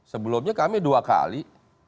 sebelumnya kami dua kali